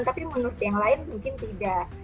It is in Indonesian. tapi menurut yang lain mungkin tidak